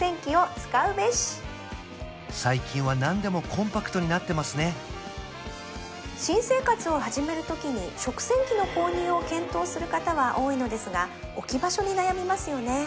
最近はなんでもコンパクトになってますね新生活を始めるときに食洗機の購入を検討する方は多いのですが置き場所に悩みますよね